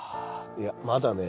いやまだね